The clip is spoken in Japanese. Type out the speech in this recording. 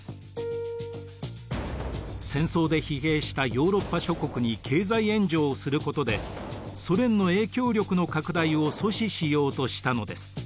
戦争で疲弊したヨーロッパ諸国に経済援助をすることでソ連の影響力の拡大を阻止しようとしたのです。